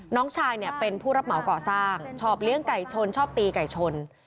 น้องชายเนี่ยเป็นผู้รับเหมาก่อสร้างชอบเลี้ยงไก่ชนชอบตีไก่ชน